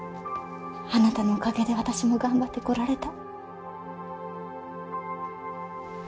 あなたのおかげで私も頑張ってこられた。